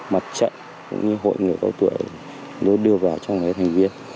mặt trận cũng như hội người câu tuệ đưa vào trong thành viên